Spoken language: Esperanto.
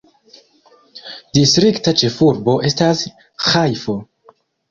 Distrikta ĉefurbo estas Ĥajfo.